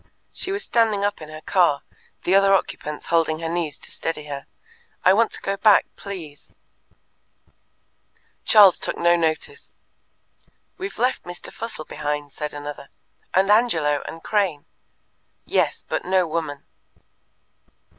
She was standing up in the car, the other occupants holding her knees to steady her. "I want to go back, please." Charles took no notice. "We've left Mr. Fussell behind," said another; "and Angelo, and Crane." "Yes, but no woman."